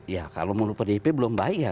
ya kalau menurut pdip belum baik ya